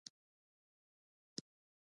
د پښو درد لپاره د سرسونو تېل وکاروئ